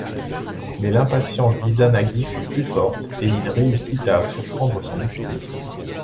Mais l'impatience d'Izanagi fut plus forte et il réussit à surprendre son épouse.